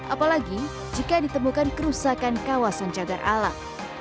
apalagi jika ditemukan kerusakan kawasan jagar alam